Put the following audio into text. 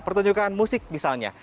pertunjukan musik misalnya